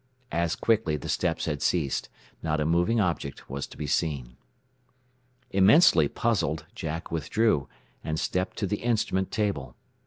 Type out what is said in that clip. As quickly the steps had ceased. Not a moving object was to be seen. Immensely puzzled, Jack withdrew, and stepped to the instrument table.